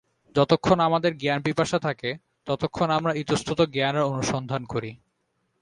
যতক্ষণ আমাদের জ্ঞানপিপাসা থাকে, ততক্ষণ আমরা ইতস্তত জ্ঞানের অনুসন্ধান করি।